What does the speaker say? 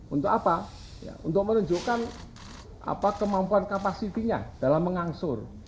untuk apa untuk menunjukkan kemampuan kapasitinya dalam mengangsur